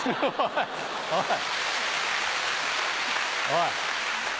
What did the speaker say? おい。